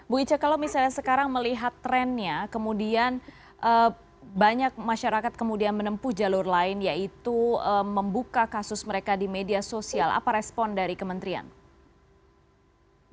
bu ica kalau misalnya sekarang melihat trennya kemudian banyak masyarakat kemudian menempuh jalur lain yaitu membuka kasus mereka di media sosial apa respon dari kementerian